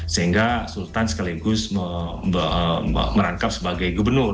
sehingga sultan sekaligus merangkap sebagai gubernur